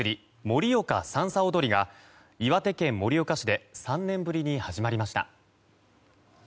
盛岡さんさ踊りが岩手県盛岡市で３年ぶりに始まりました。